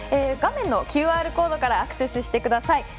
画面のＱＲコードからアクセスしてください。